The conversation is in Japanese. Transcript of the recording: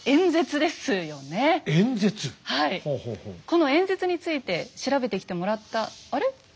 この演説について調べてきてもらったあれ？